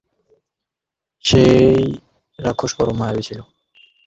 সেই রাক্ষস পরম মায়াবী ছিল।